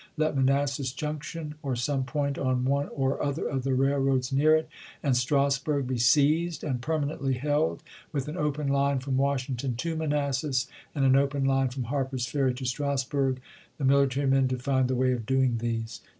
Let Manassas Junction (or some point on one or other of the railroads near it) and Strasburg be seized, and permanently held, with an open line from Washing ton to Manassas, and an open line fi om Harper's Ferry to Strasburg — the military men to find the way of doing these.